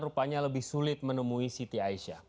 rupanya lebih sulit menemui siti aisyah